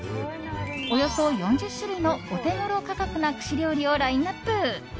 およそ４０種類のオテゴロ価格な串料理をラインアップ。